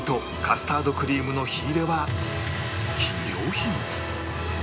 カスタードクリームの火入れは